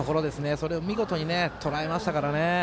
それを見事にとらえましたからね。